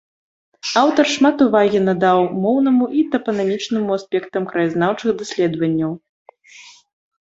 Аўтар шмат увагі надаў моўнаму і тапанімічнаму аспектам краязнаўчых даследаванняў.